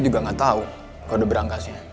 juga gak tau kok udah berangkasnya